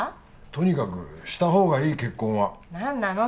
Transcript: とにかくした方がいい結婚は何なの？